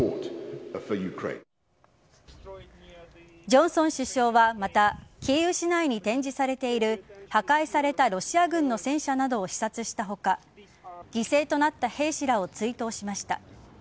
ジョンソン首相は、またキーウ市内に展示されている破壊されたロシア軍の戦車などを視察した他犠牲となった兵士らを追悼しました。